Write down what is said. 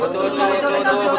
tuh tuh tuh